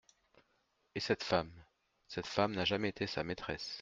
Et cette femme ? Cette femme n'a jamais été sa maîtresse.